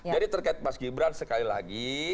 jadi terkait mas gibran sekali lagi